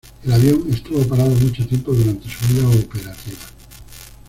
El avión estuvo parado mucho tiempo durante su vida operativa.